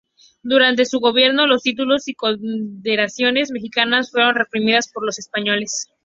Durante su gobierno, los títulos y condecoraciones mexicas fueron reprimidas por los españoles.